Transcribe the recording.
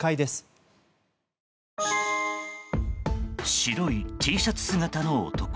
白いＴシャツ姿の男。